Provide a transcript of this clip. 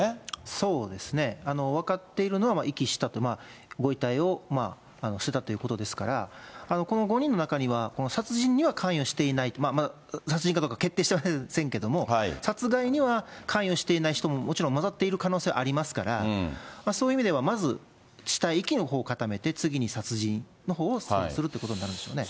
そうですね、分かっているのは遺棄したと、ご遺体を捨てたということですから、この５人の中には、殺人には関与していない、殺人かどうか決定してませんけれども、殺害には関与していない人ももちろん交ざっている可能性、ありますから、そういう意味ではまず、死体遺棄のほうを固めて、次に殺人のほうをするということになるんでしょうね。